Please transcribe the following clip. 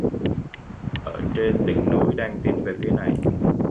Ở trên đỉnh núi đang tiến về phía này